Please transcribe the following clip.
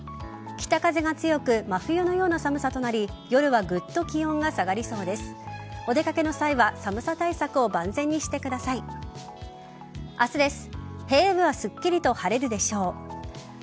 北風が強く真冬のような寒さとなり夜はぐっと気温が下がりそうです。